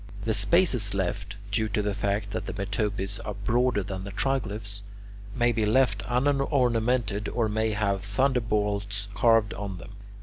The spaces left (due to the fact that the metopes are broader than the triglyphs) may be left unornamented or may have thunderbolts carved on them.